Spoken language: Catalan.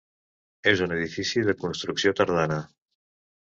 És un edifici de construcció tardana.